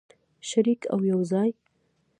شریک او یوځای.